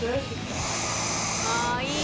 ああいい。